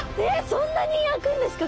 そんなに開くんですか？